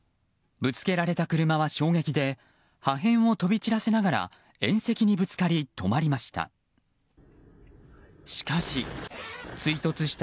ぶつけられた車は衝撃で破片を飛び散らせながら縁石にぶつかり止まりました。